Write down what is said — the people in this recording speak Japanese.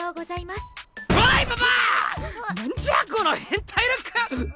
なんじゃこの変態ルック。